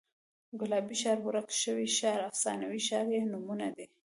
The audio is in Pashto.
ګلابي ښار، ورک شوی ښار، افسانوي ښار یې نومونه دي.